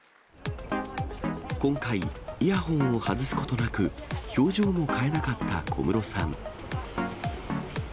今回、イヤホンを外すことなく、表情も変えなかった小室さん。